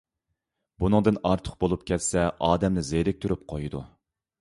بۇنىڭدىن ئارتۇق بولۇپ كەتسە ئادەمنى زېرىكتۈرۈپ قويىدۇ.